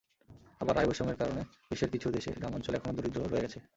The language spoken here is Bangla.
আবার আয়বৈষম্যের কারণে বিশ্বের কিছু দেশে গ্রামাঞ্চল এখনো দরিদ্র রয়ে গেছে।